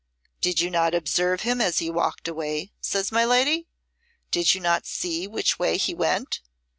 'Did you not observe him as he walked away?' says my lady. 'Did you not see which way he went?'